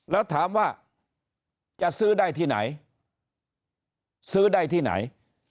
แล้วถามว่าจะซื้อได้ที่ไหนซื้อได้ที่ไหน